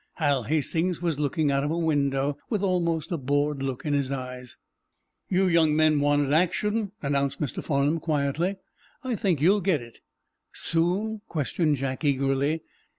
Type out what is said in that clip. Hal Hastings was looking out of a window, with almost a bored look in his eyes. "You young men wanted action," announced Mr. Farnum, quietly. "I think you'll get it." "Soon?" questioned Jack, eagerly.